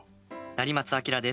成松亮です。